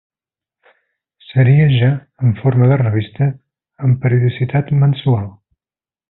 Seria ja en forma de revista, amb periodicitat mensual.